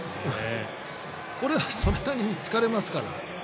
これそれなりに疲れますから。